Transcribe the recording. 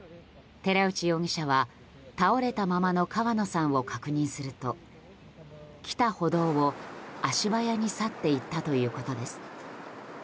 寺内容疑者は倒れたままの川野さんを確認すると来た歩道を足早に去っていったということです。